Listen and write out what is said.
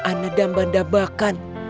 anak dan mbak dapakan